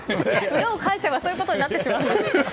裏を返せばそういうことになってしまいますが。